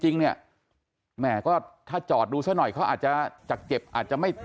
จริงเนี่ยแหมก็ถ้าจอดดูซะหน่อยเขาอาจจะจากเจ็บอาจจะไม่